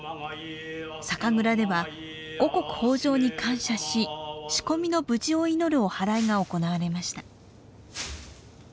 酒蔵では五穀豊じょうに感謝し仕込みの無事を祈るおはらいが行われました。